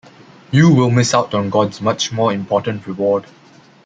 You will miss out on God's much more important reward.